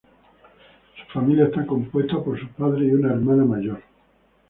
Su familia está compuesta por sus padres y una hermana mayor.